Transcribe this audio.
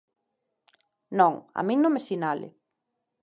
Non, a min non me sinale.